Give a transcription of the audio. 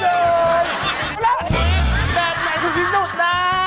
แป๊กแหม่งที่นี่ดูนะ